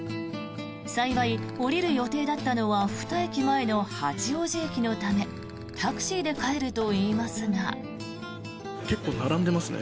幸い、降りる予定だったのは２駅前の八王子駅のためタクシーで帰るといいますが。